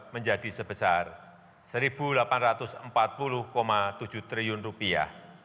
menjadi sebesar satu delapan ratus empat puluh tujuh triliun rupiah